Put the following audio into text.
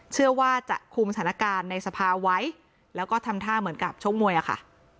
เชื่อว่าจะคุมสถานการณ์ในสภาไว้แล้วก็ทำท่าเหมือนกับชกมวยอะค่ะ